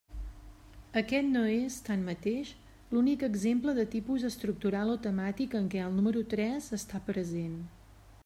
Aquest no és, tanmateix, l'únic exemple de tipus estructural o temàtic en què el número tres està present.